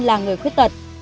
là người khuất tật